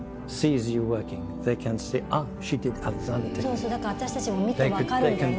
そうそうだから私たちも見て分かるんだよね。